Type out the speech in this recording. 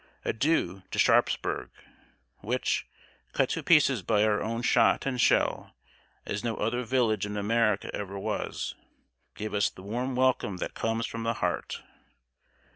Adieu to Sharpsburg, which, cut to pieces by our own shot and shell as no other village in America ever was, gave us the warm welcome that comes from the heart!